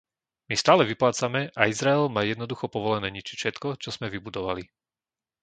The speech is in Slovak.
My stále vyplácame a Izrael má jednoducho povolené ničiť všetko, čo sme vybudovali.